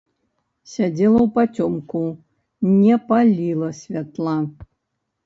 Сядзела ўпацёмку, не паліла святла.